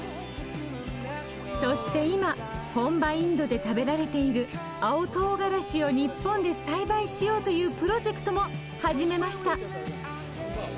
そして今本場インドで食べられている青とうがらしを日本で栽培しようというプロジェクトも始めました。